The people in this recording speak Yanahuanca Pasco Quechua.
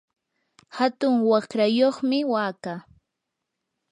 hatun waqrayuqmi wakaa.